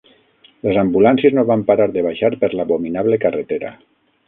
Les ambulàncies no van parar de baixar per l'abominable carretera